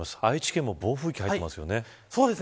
愛知県も暴風域に入ってますよね。